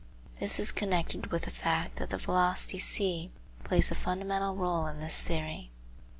This is connected with the fact that the velocity c plays a fundamental role in this theory.